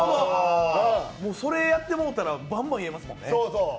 それやってもうたらバンバン言えますからね。